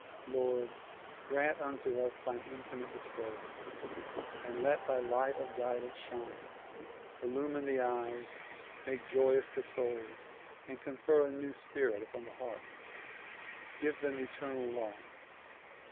Lord ! grant unto us thine infinite bestowals and let thy light of guidance shine. Illumine the eyes, make joyous the souls and confer a new spirit upon the hearts. Give them eternal life.